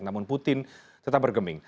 namun putin tetap bergeming